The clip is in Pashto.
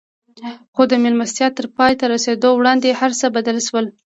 خو د مېلمستيا تر پای ته رسېدو وړاندې هر څه بدل شول.